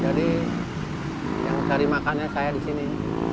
jadi yang cari makannya saya disitu